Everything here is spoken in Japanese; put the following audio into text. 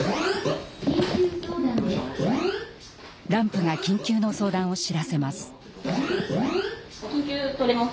ランプが緊急の相談を知らせます。